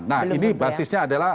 nah ini basisnya adalah